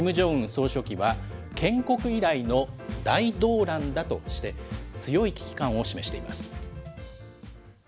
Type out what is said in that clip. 総書記は、建国以来の大動乱だとして、強い危機感を示しています。